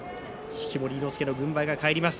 式守伊之助の軍配が返ります。